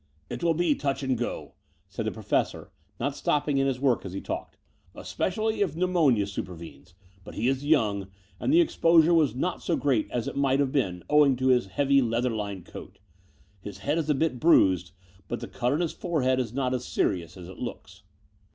*'It will be touch and go," said the Professor, not stopping in his work, as he talked, "especially if pneumonia supervenes ; but he is young, and the exposure was not so great as it might have been owing to his heavy leather lined coat. His head is a bit bruised, but the cut on the forehead is not as serious as it looks."